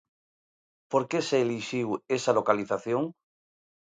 Por que se elixiu esa localización?